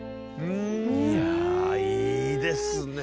うん！いやいいですね。